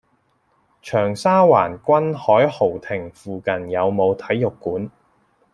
長沙灣君凱豪庭附近有無體育館？